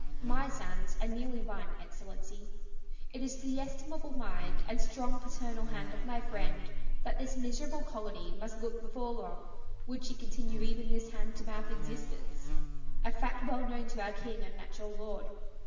My sands are nearly run, Excellency; it is to the estimable mind and strong paternal hand of my friend that this miserable colony must look before long, would she continue even this hand to mouth existence a fact well known to our king and natural lord.